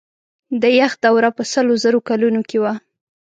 د یخ دوره په سلو زرو کلونو کې وه.